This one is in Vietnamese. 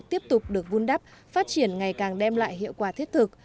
tiếp tục được vun đắp phát triển ngày càng đem lại hiệu quả thiết thực